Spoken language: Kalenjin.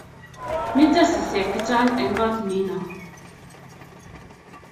mito sisek chechang' eng' koot nino